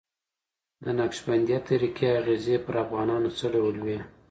د نقشبندي طریقې اغېزې پر افغانانو څه ډول وې؟